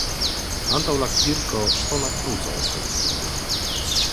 Antaŭ la kirko ŝtona kruco estas videbla.